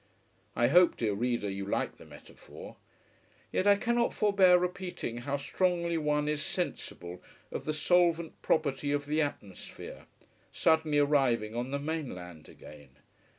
I hope, dear reader, you like the metaphor. Yet I cannot forbear repeating how strongly one is sensible of the solvent property of the atmosphere, suddenly arriving on the mainland again.